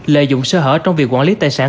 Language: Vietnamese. lợi dụng sơ hở trong việc quản lý tài sản